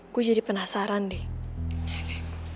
gue jadi penasaran deh